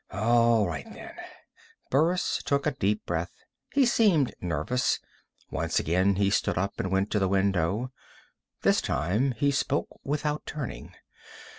"All right, then." Burris took a deep breath. He seemed nervous. Once again he stood up and went to the window. This time, he spoke without turning.